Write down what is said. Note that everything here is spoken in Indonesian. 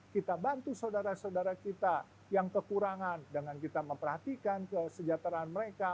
kita bantu saudara saudara kita yang kekurangan dengan kita memperhatikan kesejahteraan mereka